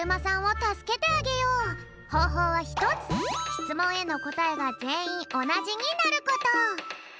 しつもんへのこたえがぜんいんおなじになること。